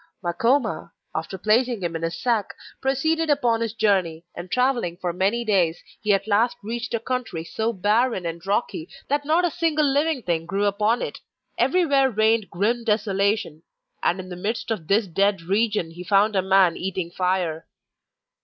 Makoma, after placing him in his sack, proceeded upon his journey, and travelling for many days he at last reached a country so barren and rocky that not a single living thing grew upon it everywhere reigned grim desolation. And in the midst of this dead region he found a man eating fire.